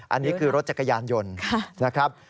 อันนี้คือรถจักรยานยนต์นะครับ